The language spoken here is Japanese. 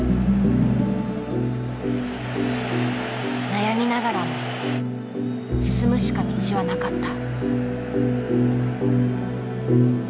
悩みながらも進むしか道はなかった。